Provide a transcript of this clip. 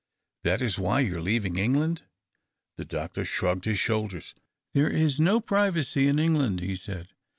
" That is why you are leaving England ?" The doctor shrugged his shoulders. " There is no privacy in England," he said.